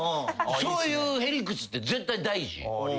そういうへりくつって絶対大事。